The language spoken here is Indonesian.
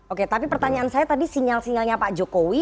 oke tapi pertanyaan saya tadi sinyal sinyalnya pak jokowi